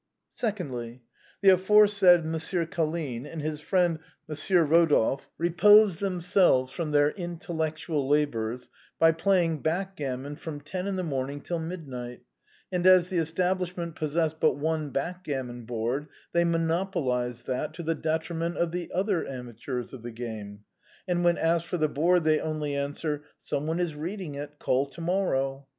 " Secondly. The aforesaid Monsieur Colline, and his friend Monsieur Rodolphe, repose themselves from their intellectual labors by playing backgammon from ten in the morning till midnight; and as the establishment possesses but one backgammon board, they monopolize that, to the detriment of the other amateurs of the game; and when asked for the board, they only answer, ' Some one is read ing it ; call to morrow.'